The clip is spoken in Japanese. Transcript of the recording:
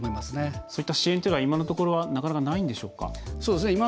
そういった支援は今のところなかなかないんでしょうか？